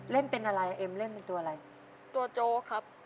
เล่นเป็นอะไรเอ็มเล่นเป็นตัวอะไรตัวโจ๊กครับ